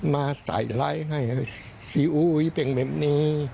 มาใส่ไลค์ให้ซีอุยเป็นแบบนี้